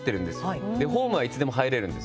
ホームはいつでも入れるんです。